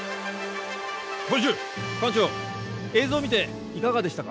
教授館長映像見ていかがでしたか？